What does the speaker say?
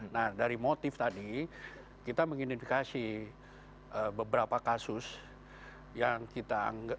nah dari motif tadi kita mengidentifikasi beberapa kasus yang kita anggap